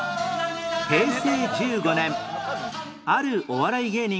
平成１５年あるお笑い芸人が